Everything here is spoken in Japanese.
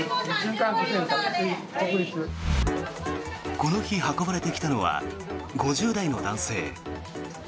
この日運ばれてきたのは５０代の男性。